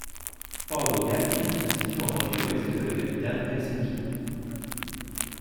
Palojärvi se situe en banlieue ouest de la capitale Helsinki.